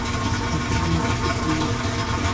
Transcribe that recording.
তাঁহার মার অসুখ করিয়াছে।